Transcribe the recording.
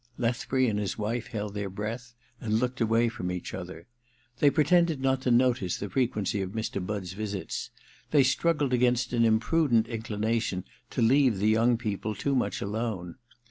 Lethbury and his wife held their breath and looked away from each other. They pretended not to notice the frequency of Mr. Budd's visits, they struggled agsdnst an impru dent inclination to leave the young people too much alone.